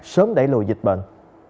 sớm đẩy lùi dịch bệnh